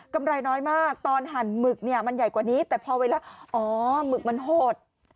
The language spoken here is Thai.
กำไรน้อยมากตอนหั่นหมึกมันใหญ่กว่านี้แต่พอไว้แล้วอ๋อหมึกมันโหด